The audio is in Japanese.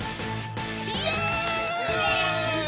イエーイ！